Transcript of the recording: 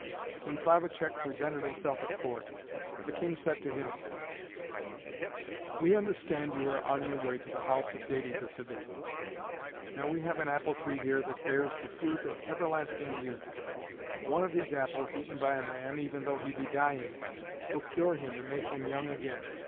When Plavacek presented himself at court the King said to him: "We understand you are on your way to the house of Dède Vsévède! Now we have an apple tree here that bears the fruit of everlasting youth. One of these apples eaten by a man, even though he be dying, will cure him and make him young again.